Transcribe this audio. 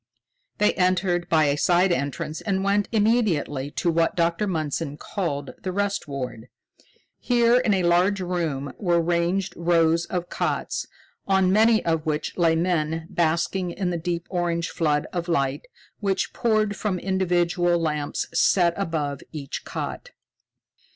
They entered by a side entrance and went immediately to what Dr. Mundson called the Rest Ward. Here, in a large room, were ranged rows of cots, on many of which lay men basking in the deep orange flood of light which poured from individual lamps set above each cot.